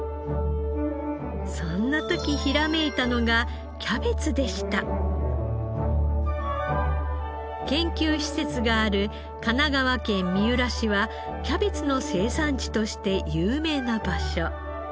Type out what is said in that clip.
そんな時ひらめいたのが研究施設がある神奈川県三浦市はキャベツの生産地として有名な場所。